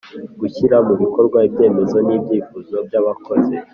Gushyira mu bikorwa ibyemezo n’ ibyifuzo by’abakozi